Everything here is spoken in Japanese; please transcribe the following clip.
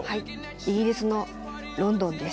イギリスのロンドンです。